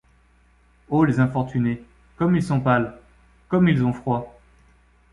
Ô les infortunés! comme ils sont pâles ! comme ils ont froid !